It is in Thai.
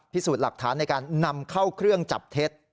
พิสูจน์หลักฐานในการนำเข้าเครื่องจับเท็จ